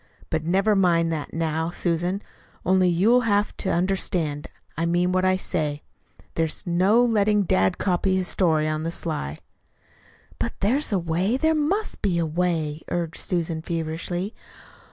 But never mind that now, Susan; only you'll you'll have to understand I mean what I say. There's no letting dad copy that story on the sly." "But there's a way, there must be a way," argued Susan feverishly.